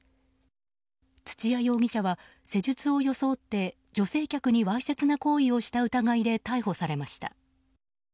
土谷容疑者は施術を装って女性客にわいせつな行為をした疑いで逮捕されました。